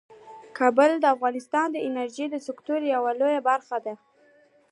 کابل د افغانستان د انرژۍ د سکتور یوه لویه برخه ده.